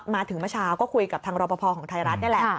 มาถึงเมื่อเช้าก็คุยกับทางรอปภของไทยรัฐนี่แหละ